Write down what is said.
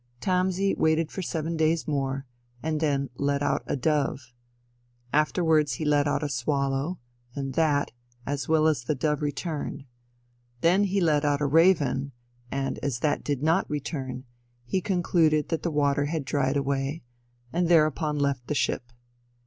Tamzi waited for seven days more, and then let out a dove. Afterwards, he let out a swallow, and that, as well as the dove returned. Then he let out a raven, and as that did not return, he concluded that the water had dried away, and thereupon left the ship.